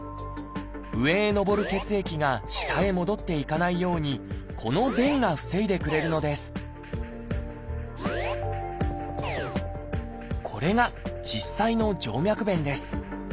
上へのぼる血液が下へ戻っていかないようにこの弁が防いでくれるのですこれが実際の静脈弁です。